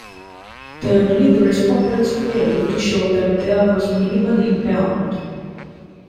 Thirdly, the respondents failed to show that there was "minimal impairment".